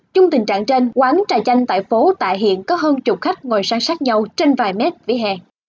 trong tình trạng trên quán trà chanh tại phố tạ hiện có hơn chục khách ngồi sang sát nhau trên vài mét vỉa hè